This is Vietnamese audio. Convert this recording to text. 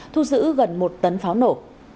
thu giữ gần một tấn pháo nổ